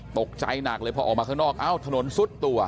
ตกใจหนักเลยพอออกมาข้างนอกเอ้าถนนซุดตัว